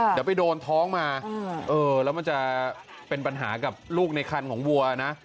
เดี๋ยวไปโดนท้องมาแล้วมันจะเป็นปัญหากับลูกในคันของวัวนะ